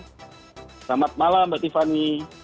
selamat malam mbak tiffany